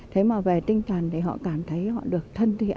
thế mà về tinh thần thì họ cảm thấy họ được thân thiện